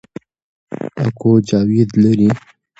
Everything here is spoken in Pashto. اکو جاوید لري